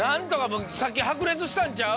さっき白熱したんちゃう？